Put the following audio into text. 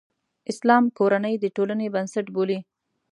اسلام کورنۍ د ټولنې بنسټ بولي.